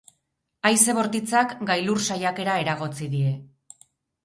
Haize bortitzak gailur saiakera eragotzi die.